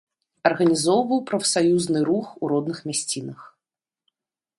Арганізоўваў прафсаюзны рух у родных мясцінах.